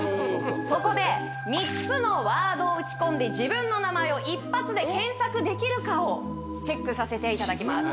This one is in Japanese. そこで３つのワードを打ち込んで自分の名前を１発で検索できるかをチェックさせていただきます